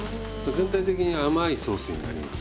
全体的に甘いソースになります。